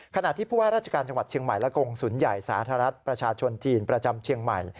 ขณะที่ผู้ว่าราชการจังหวัดเชียงใหม่และกงศูนย์ใหญ่สาธารณรัฐประชาชนจีนประจำเชียงใหม่